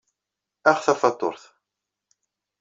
Ax tafatuṛt.